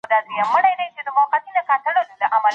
ولي غير مسلمان د مسلمان په اړه پريکړه نسي کولای؟